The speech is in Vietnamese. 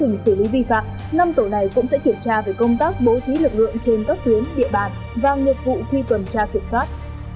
năm tổ công tác trực tiếp kiểm tra việc xử lý vi phạm năm tổ này cũng sẽ kiểm tra về công tác bố trí lực lượng trên các tuyến địa bàn vàng nhiệm vụ khi tuần tra kiểm soát